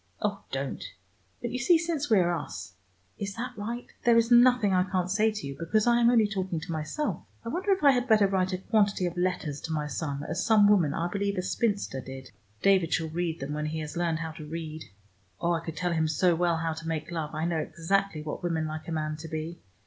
"Oh, don't. But you see since we are us is that right? there is nothing I can't say to you, because I am only talking to myself. I wonder if I had better write a quantity of letters to my son, as some woman, I believe a spinster, did. David shall read them when he has learned how to read. Oh, I could tell him so well how to make love, I know exactly what women like a man to be.